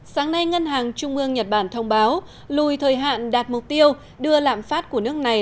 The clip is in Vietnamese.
sáng nay ngân hàng trung ương nhật bản thông báo lùi thời hạn đạt mục tiêu đưa lạm phát của nước này